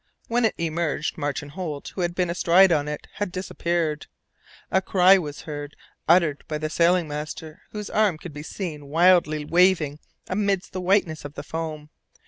When it emerged Martin Holt, who had been astride on it, had disappeared. A cry was heard, uttered by the sailing master, whose arm could be seen wildly waving amid the whiteness of the foam.